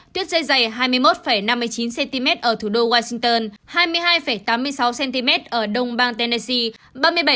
tuyết dây dày hai mươi một năm mươi chín cm ở thủ đô washington hai mươi hai tám mươi sáu cm ở đông bang tennese